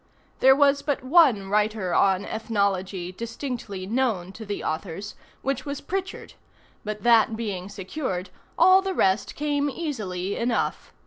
There was but one writer on ethnology distinctly known to the authors, which was Prichard; but that being secured, all the rest came easily enough.